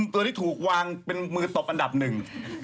ตัวที่ถูกวางเป็นมือตบอันดับหนึ่ง